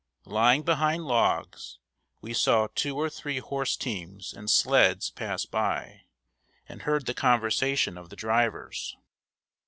Lying behind logs, we saw two or three horse teams and sleds pass by, and heard the conversation of the drivers.